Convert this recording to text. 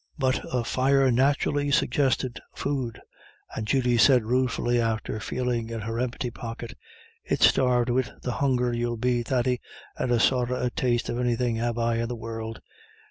But a fire naturally suggested food, and Judy said ruefully, after feeling in her empty pocket: "It's starved wid the hunger you'll be, Thady, and the sorra a taste of anythin' have I in the world.